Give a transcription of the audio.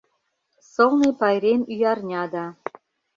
Сылне пайрем Ӱярня да